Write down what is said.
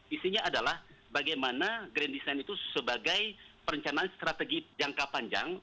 isinya adalah bagaimana grand design itu sebagai perencanaan strategi jangka panjang